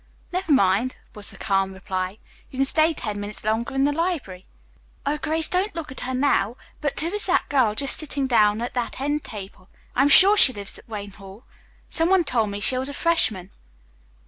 "Never mind," was the calm reply, "you can stay ten minutes longer in the library. Oh, Grace, don't look at her now, but who is that girl just sitting down at that end table? I am sure she lives at Wayne Hall. Some one told me she was a freshman."